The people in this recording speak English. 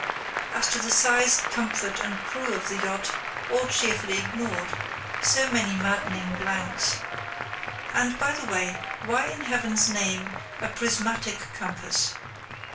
As to the size, comfort, and crew of the yacht—all cheerfully ignored; so many maddening blanks. And, by the way, why in Heaven's name "a prismatic compass"?